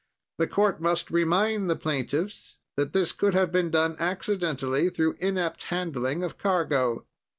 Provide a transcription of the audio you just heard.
The court must remind the plaintiffs that this could have been done accidentally, through inept handling of cargo.